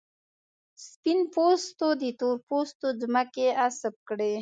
سپین پوستو د تور پوستو ځمکې غصب کړې.